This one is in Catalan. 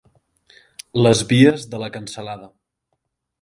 Les vies de la cansalada.